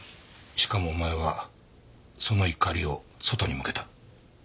しかもお前はその怒りを外に向けた。